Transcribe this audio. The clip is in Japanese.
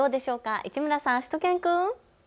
市村さん、しゅと犬くん。